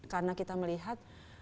karena kita melihat